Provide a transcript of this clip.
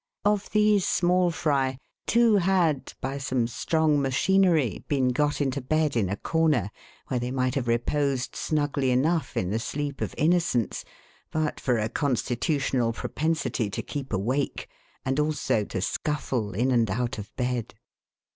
Of these small frv, two had, by some strong machinery, been got into bed in a corner, where they might have reposed snugly enough in the sleep of innocence, but for a consti tutional propensity to keep awake, and also to scuffle in and out of bed.